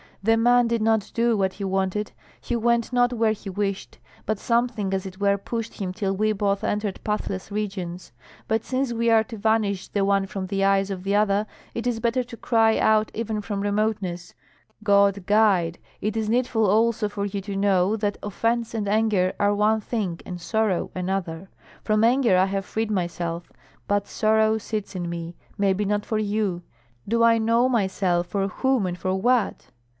The man did not do what he wanted, he went not where he wished, but something as it were pushed him till we both entered pathless regions. But since we are to vanish the one from the eyes of the other, it is better to cry out even from remoteness, 'God guide!' It is needful also for you to know that offence and anger are one thing, and sorrow another. From anger I have freed myself, but sorrow sits in me maybe not for you. Do I know myself for whom and for what?